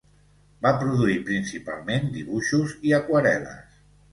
Va produir principalment dibuixos i aquarel·les.